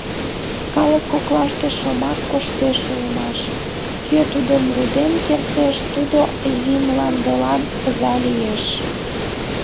Калык коклаште шомак коштеш улмаш: кӧ тудым руден кертеш, тудо Азий мландылан оза лиеш.